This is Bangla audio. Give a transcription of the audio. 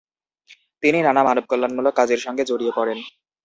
তিনি নানা মানবকল্যাণমূলক কাজের সঙ্গে জড়িয়ে পড়েন।